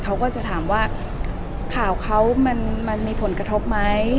เขาก็จะถามว่าข่าวเขามันมีผลกระทบไหม